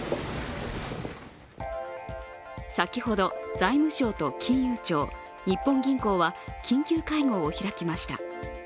先ほど財務省と金融庁、日本銀行は緊急会合を開きました。